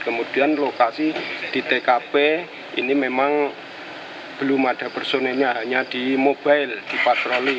kemudian lokasi di tkp ini memang belum ada personelnya hanya di mobile di patroli